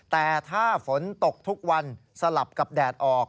แต่ถ้าฝนตกทุกวันสลับกับแดดออก